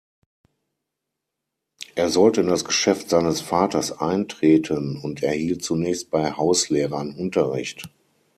Er sollte in das Geschäft seines Vaters eintreten und erhielt zunächst bei Hauslehrern Unterricht.